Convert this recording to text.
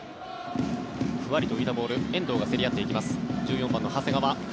ふわりと浮いたボール遠藤が競り合っていきます。